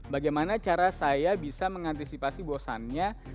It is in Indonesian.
bagaimana cara saya bisa mengantisipasi bosannya